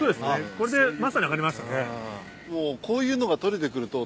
これでまさに分かりましたね。